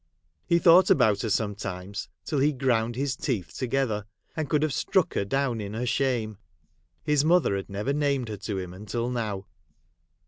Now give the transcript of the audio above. He thought about her sometimes, till he ground his teeth together, and could have struck her down in her shame. His mother had never named her to him until now.